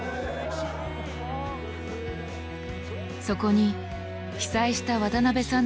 そこに被災した渡邊さんの姿もあった。